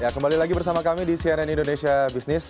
ya kembali lagi bersama kami di cnn indonesia business